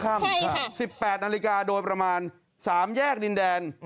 ค่ำ๑๘นาฬิกาโดยประมาณ๓แยกดินแดน